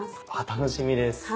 楽しみです。